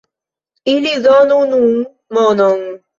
Ili donu nun monon.